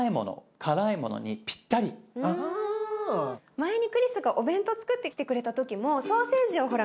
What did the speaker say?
前にクリスがお弁当つくってきてくれた時もソーセージをほら